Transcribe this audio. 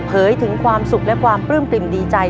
ถึงความสุขและความปลื้มปริ่มดีใจ